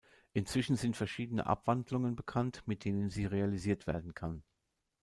Inzwischen sind verschiedene Abwandlungen bekannt, mit denen sie realisiert werden kann.